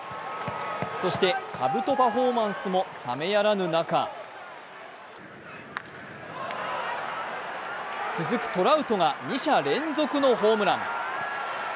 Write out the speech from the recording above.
そしてかぶとパフォーマンスも冷めやらぬ中続くトラウトが２者連続のホームラン。